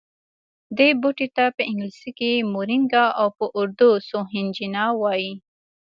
دې بوټي ته په انګلیسي مورینګا او په اردو سوهنجنا وايي